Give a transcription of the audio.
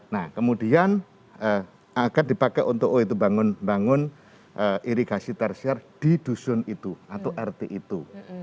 nah kemudian akan dipakai untuk oh itu bangun irigasi tersiar di dusun itu atau rt itu